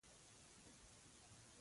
د شاه شجاع سره شپږ زره عسکر ملګري ول.